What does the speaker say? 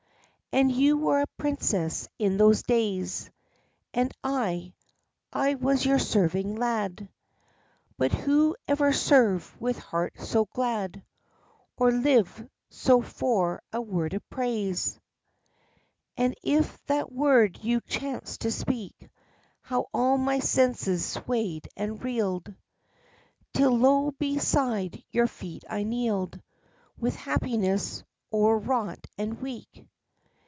And you were a princess in those days. And I I was your serving lad. But who ever served with heart so glad, or lived so for a word of praise? And if that word you chanced to speak, how all my senses swayed and reeled, Till low beside your feet I kneeled, with happiness o'erwrought and weak.